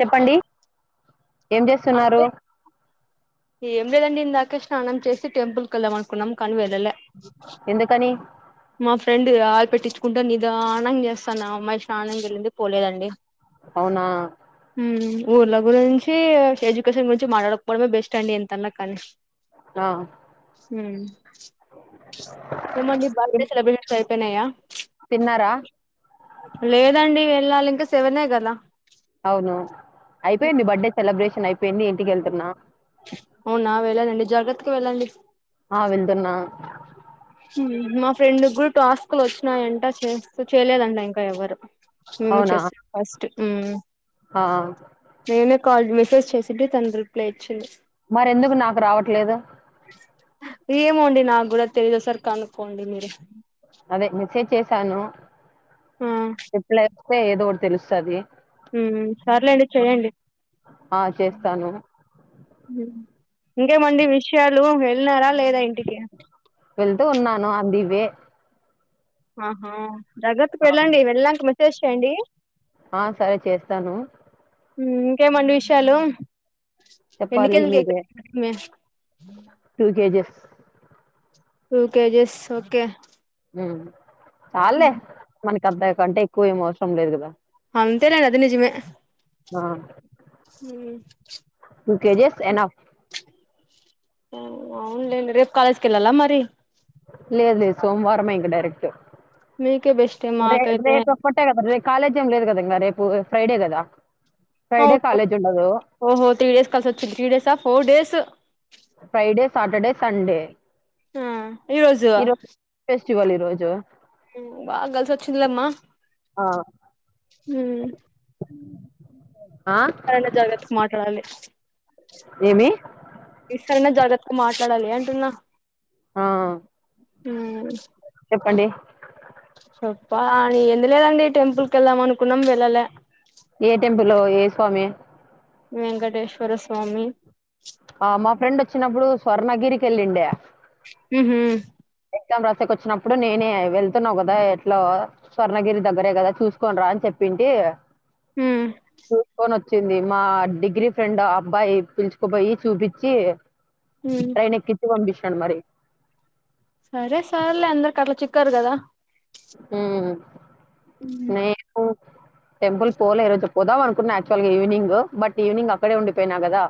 చెప్పండి ఏం చేస్తున్నారు అే ఏంలేేదండి ఇంద స్నానం చేసి టెంపుల్ కే వెళ్దామనుకున్నాం కనివే ఎందుకని మా ఫ్రెండ్ ఆయిల్ పెట్టించుకుంటా నీదానంగా చేస్తాను అమ్మాయి స్నానానికి వెళ్ళింది పోలేదండి అవునా ఊర్ళ గురించి ఎడ్యుకేషన్ గురించి మాట్లాడకపోవడమే బెస్ట్ అండి ఇంతన్నా కని ఆ ఏ మ బ కైపనయా తిన్నారా లేదండి వెళ్ళాలి ఇంకా సెవనే కదా అవును అయిపోయింది బర్త్డే సెలబ్రేషన్ అయిపోయింది ఇంటికూ వెళ్తున్నా అవునా వెళ్ళనండి జాగ్రత్తకి వెళ్ళండి ఆ వేళ్తున్నా మా ఫ్రెండ్్గురు ట ఆాస్కులు వచ్చినాయంట చేస్త చేయలేదంట ఇంకా ఎవరు నేనే చెస్తా ఫస్ట్ హా నేనే కాల్ మెసేజ్ చేసింది తను రిప్లై ఇచ్చింది మరి ఎందుకు నాకు రావట్లేదు ఏమోండి నాకు కూడా తెలిదుసరి కనుక్కోండి మీరు అదే మెసేజ్ చేసాను ఆ రిప్లై వస్తే ఏదో ఒకటి తెలుస్తది హ్మ్మ్ సర్లేండి చెయ్యండి ఆ చేస్తాను హ్మ్మ్ ఇంకేమండి విషయాలు వెళ్నార వెళ్తూ ఉన్నాను ఆన్ ది వే ఆహా దగ్గరతుకి ఆ వెళ్ళండి వెళ్ళక మెసేజ్ చేయండి ఆ సరే చేస్తాను హ్మ్మ్ ఇంకేమండి విషయాలు చెప్పాలి ఎన్నికెళ మీరే హ్మ్మ్ two kgs two kgs okay చాలే మనకి అంత కంటే ఎక్కువ ఏం అవసరం లేదు లే అంతేనా నిజమే ఆ హ్మ్మ్ టూ కేజస్ ఇనాఫ్ అవునులేండి రేపు కాలేజ్ కెల్లాల మరి లేదు లేదు సోమవారం మే ఇంకా డైరెక్ట్ మీకే బెస్ట్ రే మాకైతే రేపు ఒక్కటే కదా కాలేజ్ ఏం లేదు కదా అమ్మ రేపు ఫ్రైడే కదా ఫ్రైడే కాలేజ్ ఉండదు ఓహో త్రీ డేస్ కల్స వ three days four days Friday Saturday Sunday ఆ ఈరోోజు చ్చువళి రోజు బాగా కలిసి వచ్చిందిలేమ్మా ఆ, హుమ్మ్ అ కరనా జగత్త మాట్లాడాలి ఏమి ఈస్తరణ జాగ్రత్తకు మాట్లాడాలి అంటున్నా ఆ హ్మ్మ్ అండి చెప్ప అని ఎందు లేదండి టెంపుల్ క వెళ్దాం అనుకున్నాం వెళ్ళలే ఏ టెంపుల్ ఏ స్వామి వెంకటేశ్వర స్వామి స్వర్ణగిరికిల్లిిండే ఉహు గ్ం రసకి వచ్చినప్పుడు నేనే వెళ్తున్నావు కదా ఎట్లో స్వర్ణగిరి దగ్గరే కదా చూసుకోని రా అని చెప్పి పిండే ఉమ్ చూసుకొని వచ్చింది మా డిగ్రీ ఫ్రెండ్ అబ్బాయి పిలుచుకోపోయి చూపించి ట్రైన్ ఎక్కించి పంపించాను మరి సరే సర్లే అందర్కట్ల చిక్కారు గదా హ్మ్మ్ ఉమ్ టెంపుల్ పోలే ఈ రోజు పోదామ అనుకున్నా యాక్చువల్గా ఈవినింగ్ బట్ ఈవినింగ్ అక్కడే ఉండిపోయినా కదా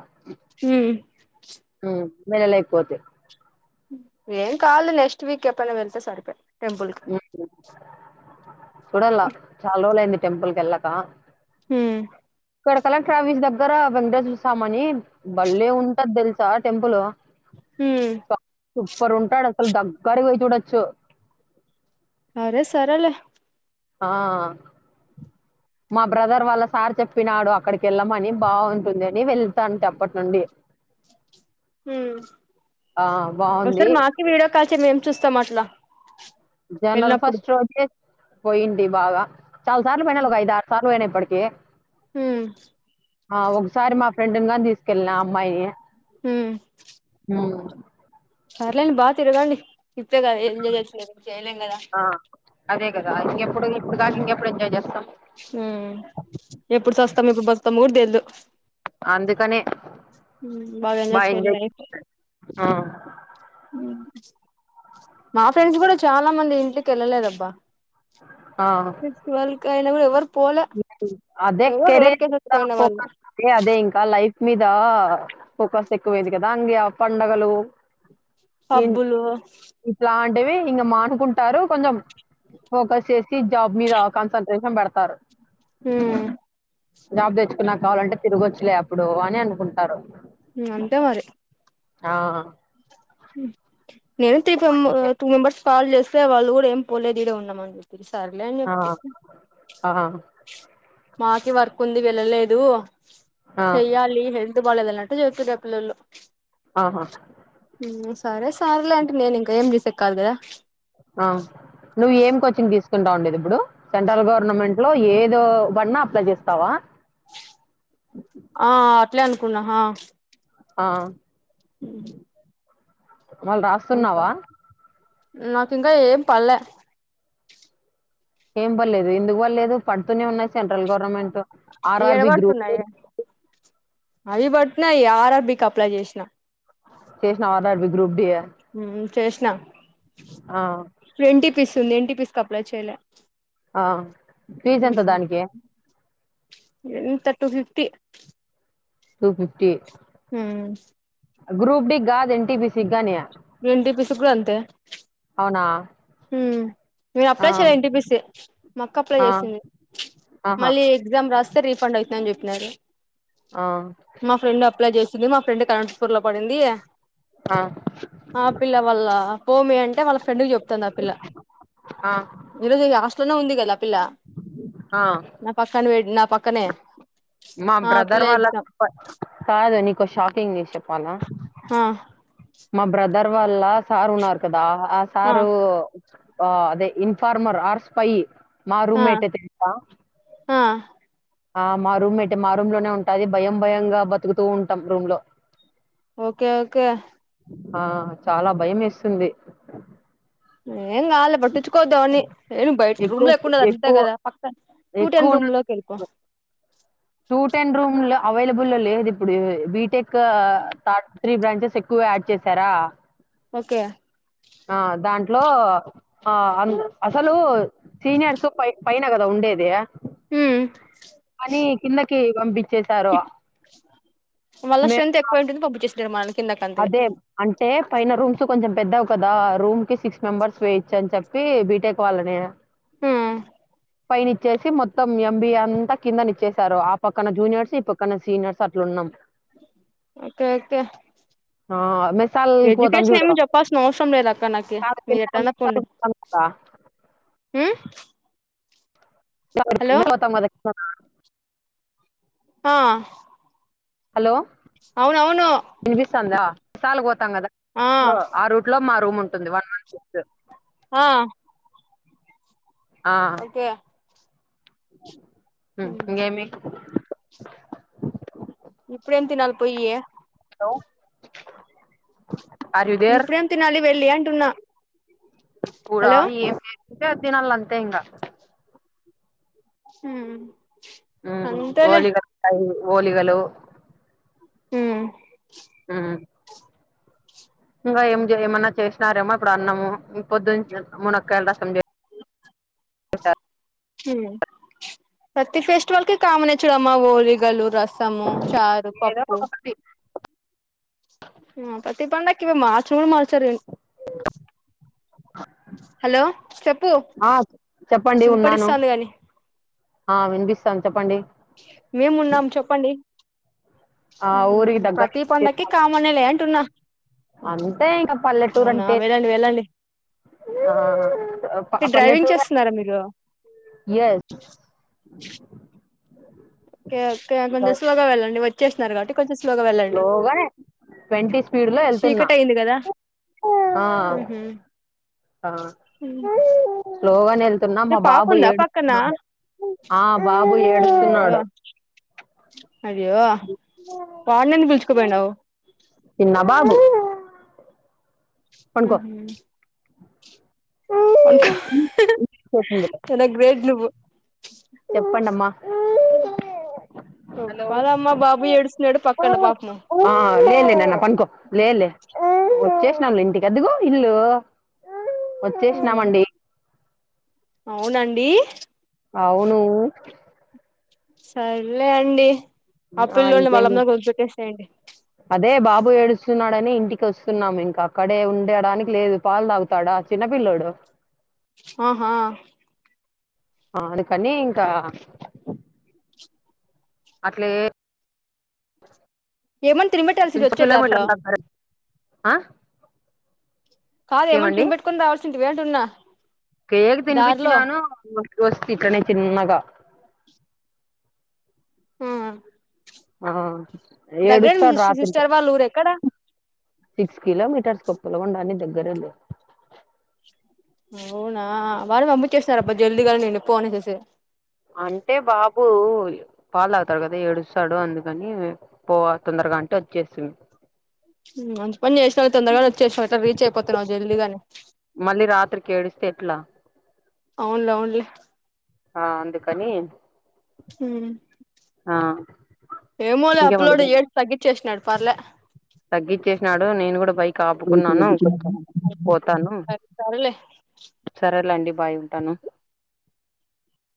హమ్ మలలేకపోతే ఏం కాదు నెక్స్ట్ వీక్ ఎప్ప న వెళ్తే సరిపో టెంపుల్ క హ్మ్. చూడాల చాలా రోజులయింది టెంపుల్ కెళ్ళక హు ఇక్కడ కలెక్టర్ ఆఫీస్ దగ్గర వెంకటేశ్వర స్వామని బళ్లే ఉంటది తెలుసా టెంపుల్ ఉమ్ సూపర్ ఉంటాడు అసలు దగ్గరకి పోయి చూడచ్చు అరే సరేలే ఆ మా బ్రదర్ వాళ్ళ సార్ చెప్పినాడు అక్కడికి వెళ్ళమని బాగుంటుందని వెళ్తంటి అప్పటి నుండి ఉ ఆ బాగుంది ఒకసారి మాకి వీడియో కాల్ చేయి మేం చూస్తాం అట్లా జనవరి వెళ్ళినప్పుడు ఫస్ట్ రోజే పోయింటి బాగా చాలా సార్లు పోయినలే ఒక ఐదు ఆరు సార్లు పోయినా ఇప్పడికే హు ఆ ఒకసారి మా ఫ్రెండు ని గాని తీసుకెళ్లిన అమ్మాయి హు హు పర్లేని బా తిరగండి ఇప్పే గద ఏంజాయ్ చేసేది చేయాలెం కదా ఆ, అదే కదా ఇంకెప్పుడు ఇప్పుడు గాక ఇంకెప్పుడు ఎంజాయ్ చేస్తాం ఉ ఎప్పుడు సస్తాం ఎప్పుడు బతుకుతమోగు తెల్దు అందుకనే ఆ బాగ ఎంజాయ్ చేయాలి లైఫ్ ఆ ఆ, నా ఫ్రెండ్స్ కూడా చాలా మంది ఇంటికి కేళ్ళలేదబ్బా ఆ. శివాల్ కాయల కూడా ఎవరు పోలే అదే ఎవరు రేర్ కేసెస్ కెరెడ్ పోయిన వాళ్ళు అదే ఇంకా లైఫ్ మీద ఫోకస్ ఎక్కువైంది కదా అంగే పండగలు పబ్బులు ఇవి ఇంగ మానుకుంటారు కొంచెం ఫోకస్ చేసి జాబ్ మీద కాన్సన్ట్రేషన్ పెడతారు జాబ్ తెచ్చుకున్నా కావాలంటే తిరగొచ్చులే అప్పుడు అని అనుకుంటారు అంతే మరి ఆ నేను తీ ఫ చెప్పండి. టూ మెంబర్స్ కాల్ చేస్తే వాళ్ళు కూడా ఏం పోలేదు ఇడే ఉన్నామని విరు సర్లే ఆ! చెప్పి ఆ! మాకి వర్క్ ఉంది వెళ్ళలేదు ఆ! చెయ్యాలి హెల్త్ బాలేదు అన్నాడు కరెక్ట్ చెప్పిన పిల్లోళ్ళు ఆహా సరే సార్లే అంటే నేను ఇంకా ఏం చేసేకు కాదు కదా ఆ నువ్వు ఏం కోచింగ్ తీసుకుంటా ఉండేది ఇప్పుడు సెంట్రల్ గవర్నమెంట్ లో ఏదో బడిన్నా అప్లై చేస్తావా ఆ అట్లే అనుకున్నా హ ఆ ఉ మళ్లీ రాస్తున్నావా నాకు ఇంకా ఏం పల్లె ఎంబళ్లేదు ఎందుకు వల్లేదు పడుతూనే ఉన్నాయి central government R R B group two ఏడబడుతున్నాయి అవి పట్టినాయి ఆర్ ఆర్ బి కి అప్లై చేసిన చేసినావా ఆర్ఆర్బి గ్రూప్ డియ ఉమ్ చేసిన ఆ పిస్తుంది ఎన్టిపిసికి అప్లై చేయలే ఆ ఫీజ్ ఎంత దానికి ఎంత టూ ఫిఫ్టీ టూ ఫిఫ్టీ ఉమ్ గ్రూప్ డి కాదు ఎన్ టి పి సి కి గాని ఎన్టీపీసీ కూడా అంతే అవునా ఉమ్ నేను ఆ అప్లై చేయలే ఎన్టీపిసి మా అక్క అప్లై ఆ చేసింది ఆహా మళ్లీ ఎగ్జామ్ రాస్తే రిఫండ్ అయిత్ అని చెప్పినారు ఆ మా ఫ్రెండ్ అప్లై చేస్తుంది మా ఫ్రెండ్ కి అనంతపూర్ లో పడింది ఆ ఆ పిల్ల వాళ్ళ పో మే అంటే వాళ్ళ ఫ్రెండ్ కి చెప్పు తందా ఆ పిల్ల ఆ ఏంది ఈరోజు ఇంకా హాస్టల్ లోనే ఉంది కదా ఆ పిల్ల ఆ నా పక్కన బెట్ నా పక్కనే మా ఆ బ్రదర్ పిల్ల వాళ్ళ ఎగ్జామ్ పా కాదు నీకు ఓ షాకింగ్ న్యూస్ చెప్ పాల ఆ మా బ్రదర్ వాళ్ళ సార్ ఉన్నారు కదా ఆ సారు ఆ అదే ఇన్ఫార్మర్ ఆర్ స్పై మా ఆ రూమ్ మేటే తెలుసా ఆ ఆ మా రూమ్ మెట్ మా రూమ్ లోనే ఉంటాది భయం భయంగా బతుకుతూ ఉంటాం రూమ్ లో ఓకే ఓకే ఆ చాలా భయం వేస్తుంది ఏం కాదు లే పట్టించుకోవద్దు ఎవరిని ఏ బయట్ రూమ్ లో ఎక్కువ ఉండొద్దు కదా పక్కన్ టూ టెన్ ఎక్కువ ఉన్న రూమ్ లోకి వెళ్ళి పో టూ టెన్ రూమ్ లో అవైలబుల్ లేదు ఇప్పుడు బీటెక్ థర్డ్ త్రీ బ్రాంచెస్ ఎక్కువగా యాడ్ చేశారా ఓకే ఆ దాంట్లో ఆ అ అసలు సీనియర్స్ పై పైన నా కదా ఉండేది ఉమ్ కి పంపించేశారు మళ్ళ మే స్ట్రెంత్ మా ఎక్కువ ఉంటుంది పంపించేసింటారు మనల్ని కిందకి అంతగా అదే అంటే పైన రూమ్స్ కొంచెం పెద్ద వి కదా రూమ్ కి సిక్స్ మెంబర్స్ వేయచ్చు అని చెప్పి బీటెక్ వాళ్ళని ఉమ్ పైన ఇచ్చేసి మొత్తం ఎంబిఏ అంతా కింద నా ఇచ్చేశారు ఆ పక్కన జూనియర్స్ ఈ పక్కన సీనియర్స్ అట్లున్నాం ఓకే ఓకే ఆ మెసాల్ పోతాం ఎడ్యుకేషన్ చూడు ఏమి చెప్పాల్సిన అవసరం లేదు అక్క నాకి చాలా మీరు కింద ఎట్లా అయినా మిగతాలు పోండి పోతాం కదా ఉమ్ హలో [unintelligible] ఆ హలో అవున అవును విశాల పోతాం కదా లో ఆ రూట్ లో మా రూమ్ ఉంటుంది వన్ వన్ సిక్స్ ఆ ఆ ఓకే ఉమ్ ఇకేమి ఇప్పుడేం తినాలి పోయి లో ఇప్పుడేం తినాలి వెళ్ళి అంటున్నా ఇప్పుడా హలో ఏం చేస్తే అది తినాల అంతే ఇంకా ఉమ్ ఉమ్ అంతేలే ఒలిగల్ వస్తాయి ఒలిగలు ఉమ్ ఆమ్ ఇంకా ఏం ఏమన్నా చేసినారేమో ఇప్పుడు అన్నాము పొద్దున్నే మునకాయల రసం చేశా హమ్ ప్రతి ఫెస్టివల్ కి కామన్ చూడమ్మ హోళగలు ర సమో చారు ఏదో పప్పు ఒకటి ఆ ప్రతి పండగ మారచను కూడా మార్చారు హలో చెప్పు ఆ చెప్పండి ఉన్నాను వినపడిస్తాంది కాగాని ఆ వినిపిస్తాంది చెప్పండి మేమున్నాం చెప్పండి ఆ ఊరికి ప్రతి దగ్గర పండుగకి కామనే లే అంటున్నా అంతే ఇంకా పల్లెటూరు అవునా అంటే వెళ్ళండి వెళ్ళండి ఆ డ్రైవింగ్ పల్లెటూరు చేస్తున్నారా మీరు ఇగ కే ఓకే కొంచెం సోలోగా వెళ్ళండి వచ్చేసినన్నారు కాబట్టి కొంచెం సోలోగా వెళ్ళండి స్లోగా ట్వంటీ స్పీడ్ లో వెళ్తున్నా చీకటి అయింది కదా ఆ ఉహుమ్ ఉమ్ సోలో గానే తున్నాం మా బాబు ఏడుస్తున్నాడు ఆ బాబు ఏడుస్తున్నాడు అయ్యె వాడిని ఎందుకు పిలుచుకుపోయిన్నావు చిన్న బాబు పనుకో ఉహుమ్ చనా గ్రేట్ నువ్వు చెప్పండమ్మా చెపలమ్మ బాబు ఏడుస్తున్నాడు పక్కన పాపం లేదులే నాన్న పనుకో లేలే వచ్చేసినాంలే ఇంటికి అదుగో ఇల్లు వచ్చేసినామండి అవునండి అవును సరలే అండి ఆ పిల్లోడిని వాళ్ళ అమ్మ దగ్గర వదిలి పెట్టేసేయండి అబ్బో ఏడుస్తున్నాడనే ఇంటికి వస్తున్నాము ఇంకా అక్కడే ఉండడానికి లేదు పాలు తాగుతాడా చిన్నపిల్లోడు ఆహా ఆ అందుకని ఇంకా అట్లే ఏమన్నా తినిపెట్టాల్సింటివి పిచ వచ్చే దారిలో కిలోమీటర్ దగ్గర ఆ కాదు ఏమన తిని బెట్టుకొని రావాల్సింటివి అంటున్నా కేేకు దారిలో తినిపించినాను యువర్స్ కి కనెక్ట్ చేయి నున్నగా హమ్ ఆ ఆ దగ్గరే మీ ఏడుసాడ్ సిస్ రాత్రికే సిస్టర్ వాళ్ళ ఊరు ఎక్కడ సిక్స్ కిలోమీటర్స్ కొప్పుల కొండ అని దగ్గరే లే అవునా వాళ్ళు పంపించేస్తున్నారు అబ్బా జల్దీగా నేను పోను అనేసేసి అంటే బాబు పాలు తాగుతాడు కదా ఏడుస్తాడు అందుకని పో తొందరగా రంట వచ్చేసింది ఉమ్ అ బన్ చేసిన తొందరగానే వచ్చేసిన రీచ్ అయిపోతున్నావు జల్ది గాని మళ్ళీ రాత్రికి ఏడిస్తే ఎట్లా అవునులే అవునులే ఆ అందుకని హమ్ ఆ ఏమోలే అప్లోడ్ చేసి తగ్గించేసినాడు పర్లే తగ్గించేసినాడు నేను కూడా బైక్ ఆపుకున్నాను కొంచ పోతాను సరే సరేలే సరేలేండి బాయ్ ఉంటాను